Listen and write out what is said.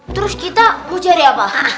terus kita gue cari apa